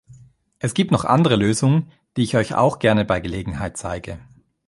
Es gibt noch andere Lösungen, die ich euch auch gerne bei Gelegenheit zeige.